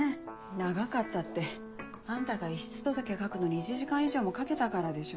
「長かった」ってあんたが遺失届書くのに１時間以上もかけたからでしょ。